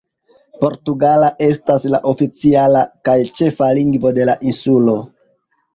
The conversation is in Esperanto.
Portugala estas la oficiala kaj ĉefa lingvo de la insulo.